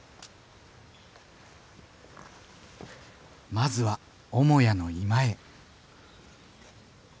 まずは母屋の居間へ。